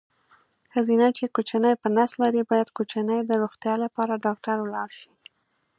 ښځېنه چې کوچینی په نس لري باید کوچیني د روغتیا لپاره ډاکټر ولاړ شي.